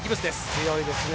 強いですね。